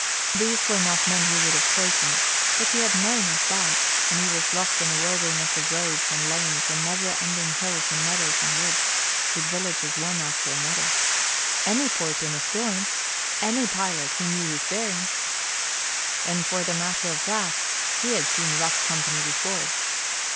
These were not men he would have chosen, but he had known as bad and he was lost in a wilderness of roads and lanes and never ending hills and meadows and woods, with villages one after another. Any port in a storm any pilot who knew his bearings! And for the matter of that, he had seen rough company before.